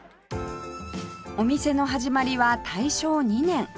お店の始まりは大正２年